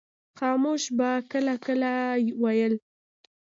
خاموش به کله کله ویل.